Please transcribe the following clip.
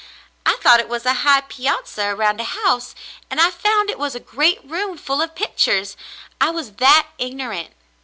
I thought it was a high piazza around a house, and I found it was a great room full of pictures. I was that ignorant.